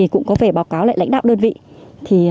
cũng có phải báo cáo lại lãnh đạo đơn vị